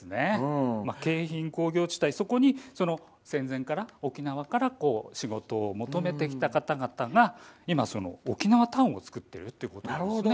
京浜工業地帯そこに戦前、沖縄から仕事を求めてきた方々が今、沖縄タウンを作っているということです。